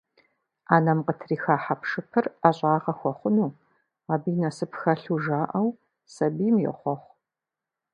Ӏэнэм къытриха хьэпшыпыр ӀэщӀагъэ хуэхъуну, абы и насып хэлъу жаӀэу, сабийм йохъуэхъу.